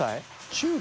中国？